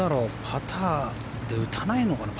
パターで打たないのかな？